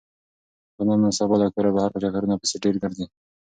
ځوانان نن سبا له کوره بهر په چکرونو پسې ډېر ګرځي.